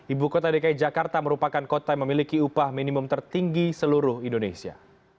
ibu kota dki jakarta merupakan kota yang memiliki upah minimum tertinggi seluruh indonesia